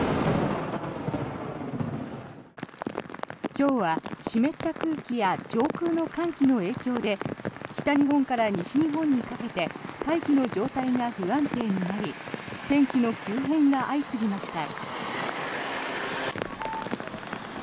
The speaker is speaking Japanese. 今日は湿った空気や上空の寒気の影響で北日本から西日本にかけて大気の状態が不安定になり天気の急変が相次ぎました。